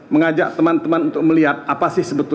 mengajak teman teman untuk melihat